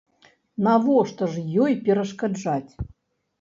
Навошта ж ёй перашкаджаць.